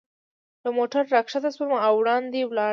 له موټره را کښته شوم او وړاندې ولاړم.